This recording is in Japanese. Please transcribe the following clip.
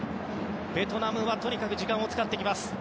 ベトナムはとにかく時間を使ってきます。